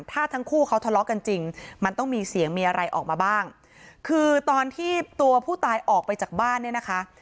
ถ้าทั้งคู่เขาทะเลาะกันจริงมันต้องมีเสียงมีอะไรออกมาบ้างคือตอนที่ตัวผู้ตายออกไปจากบ้านเนี่ยนะคะ